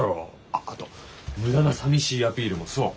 あっあと無駄な寂しいアピールもそう。